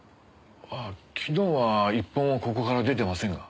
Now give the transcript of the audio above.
昨日は一歩もここから出てませんが。